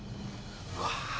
うわ。